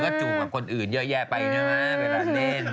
ก็จูบกับคนอื่นเยอะแยะไปนะเวลาเล่น